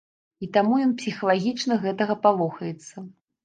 І таму ён псіхалагічна гэтага палохаецца.